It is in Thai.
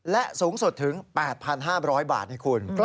และสูงสุดถึง๘๕๐๐บาทให้คุณ